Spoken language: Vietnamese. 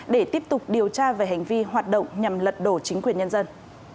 để tiếp tục điều tra về hành vi hoạt động nhằm lật đổ chính quyền nhân dân